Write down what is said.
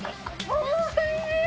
おいしい。